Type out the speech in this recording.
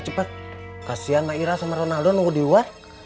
cepat kasihan mbak ira sama ronaldo nunggu di luar